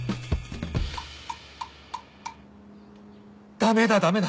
ダメだダメだ！